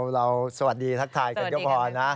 เราสวัสดีทักทายกันก็พอนะ